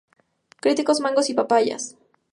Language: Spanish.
Cítricos, mangos y papayas.